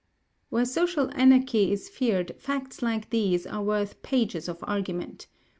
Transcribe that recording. Where social anarchy is feared, facts like these are worth pages of argument.